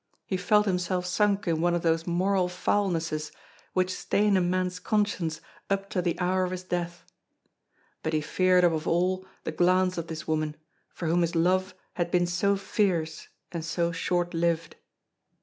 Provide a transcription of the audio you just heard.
He felt himself sunk in one of those moral foulnesses which stain a man's conscience up to the hour of his death. But he feared above all the glance of this woman, for whom his love had been so fierce and so short lived.